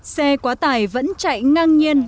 xe quá tải vẫn chạy ngang nhiên